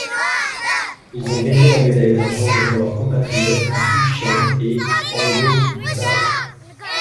Ils ont gagné la médaille d'argent, devant leurs compatriotes Xue Shen et Hongbo Zhao.